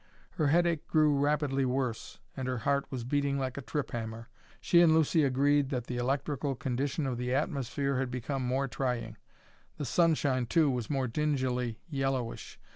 Her headache grew rapidly worse, and her heart was beating like a trip hammer. She and Lucy agreed that the electrical condition of the atmosphere had become more trying. The sunshine, too, was more dingily yellowish.